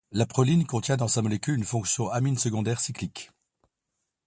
La proline contient dans sa molécule une fonction amine secondaire cyclique.